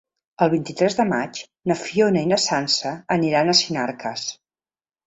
El vint-i-tres de maig na Fiona i na Sança aniran a Sinarques.